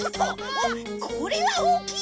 おっこれはおおきい！